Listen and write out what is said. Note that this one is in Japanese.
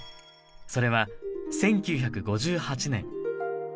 それは１９５８年。